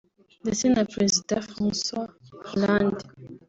ndetse na Perezida François Hollande